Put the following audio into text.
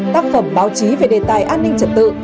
tác phẩm báo chí về đề tài an ninh trật tự